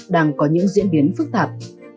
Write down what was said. đang có những diễn biến phức tạp